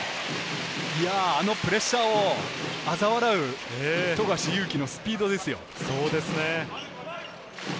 あのプレッシャーをあざ笑う富樫勇樹のスピードですよ。